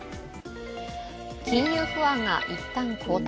金融不安が一旦、後退。